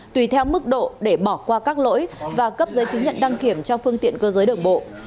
tùy theo mức độ để bỏ qua các lỗi và cấp giấy chứng nhận đăng kiểm cho phương tiện cơ giới đường bộ